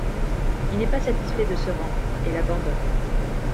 Il n'est pas satisfait de ce rang et l'abandonne.